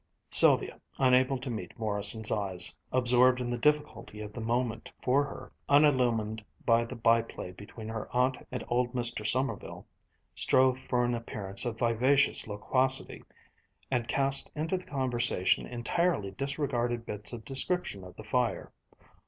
Sylvia, unable to meet Morrison's eyes, absorbed in the difficulty of the moment for her, unillumined by the byplay between her aunt and old Mr. Sommerville, strove for an appearance of vivacious loquacity, and cast into the conversation entirely disregarded bits of description of the fire.